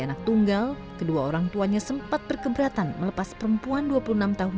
anak tunggal kedua orang tuanya sempat berkeberatan melepas perempuan dua puluh enam tahun